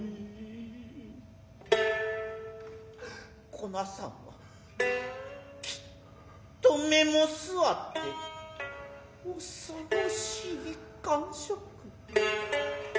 こなさんはきっと目もすわって恐ろしい顔色。